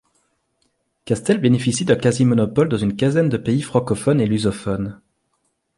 Castel bénéficie d'un quasi-monopole dans une quinzaine de pays francophones et lusophones.